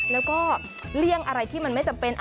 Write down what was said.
แล้วก็เลี่ยงอะไรที่มันไม่จำเป็น